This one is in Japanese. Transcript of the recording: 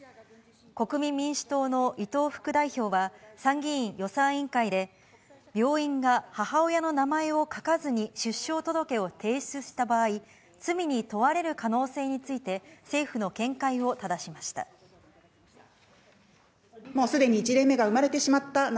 国民民主党の伊藤副代表は、参議院予算委員会で、病院が母親の名前を書かずに出生届を提出した場合、罪に問われる可能性について、政府の見解をただしました。